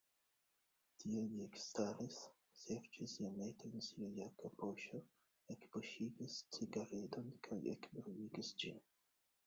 Tie li ekstaris, serĉis iomete en sia jaka poŝo, enbuŝigis cigaredon kaj ekbruligis ĝin.